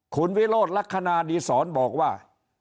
คุณวิโรธลักษณะดีศรบอกว่า